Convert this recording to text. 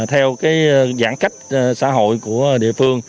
các cái giãn cách xã hội của địa phương